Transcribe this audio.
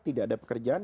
tidak ada pekerjaan